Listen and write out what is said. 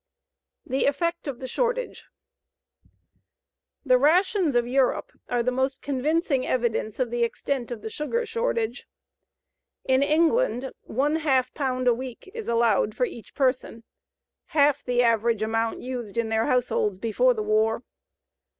THE EFFECT OF THE SHORTAGE The rations of Europe are the most convincing evidence of the extent of the sugar shortage. In England ½ pound a week is allowed for each person, half the average amount used in their households before the war.